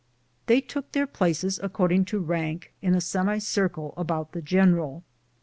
They took their places according to rank in a semicircle about the general.